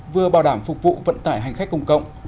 vừa bảo đảm phục vụ vận tải hành khách công cộng